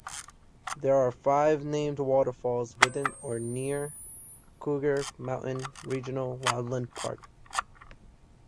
There are five named waterfalls within or near Cougar Mountain Regional Wildland Park.